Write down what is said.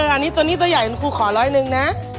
อันนี้ตัวนี้ตัวใหญ่ครูขอร้อยหนึ่งนะ